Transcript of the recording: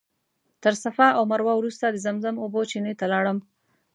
تر صفا او مروه وروسته د زمزم اوبو چینې ته لاړم.